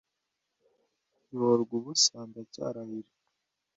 Bihorwubusa ndacyarahira